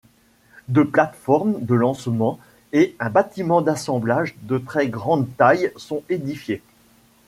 Deux plates-formes de lancement et un bâtiment d'assemblage de très grande taille sont édifiés.